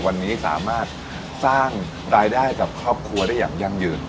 วันนี้สามารถสร้างรายได้กับครอบครัวได้อย่างยั่งยืน